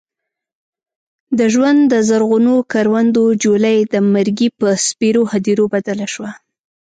د ژوند د زرغونو کروندو جوله یې د مرګي په سپېرو هديرو بدله شوه.